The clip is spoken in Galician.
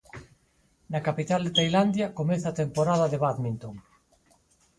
Na capital de Tailandia comeza a temporada de bádminton.